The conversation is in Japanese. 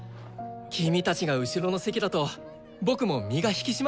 君たちが後ろの席だと僕も身が引き締まるよ。